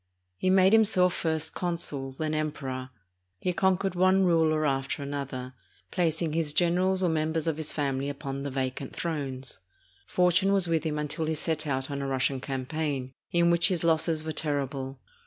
He made himself first consul, then Emperor. He con quered one ruler after another, placing his generals or mem bers of his family upon the vacant thrones. Fortune was with him until he set out on a Russian campaign, in which his losses were terrible.